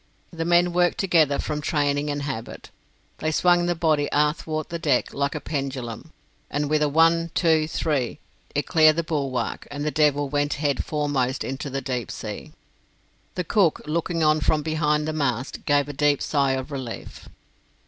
The men worked together from training and habit. They swung the body athwart the deck like a pendulum, and with a "one! two! three!" it cleared the bulwark, and the devil went head foremost into the deep sea. The cook, looking on from behind the mast, gave a deep sigh of relief.